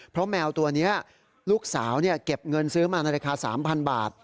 เพราะแมวตัวนี้ลูกสาวเก็บเงินซื้อมาในราคา๓๐๐บาท